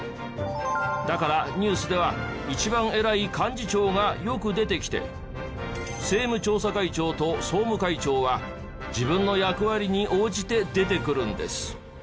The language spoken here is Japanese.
だからニュースでは一番偉い幹事長がよく出てきて政務調査会長と総務会長は自分の役割に応じて出てくるんです。